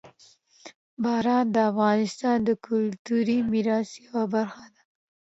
باران د افغانستان د کلتوري میراث یوه برخه ده.